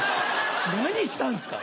何したんですか？